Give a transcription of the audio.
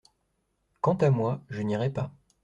Quant à moi, je n’irai pas.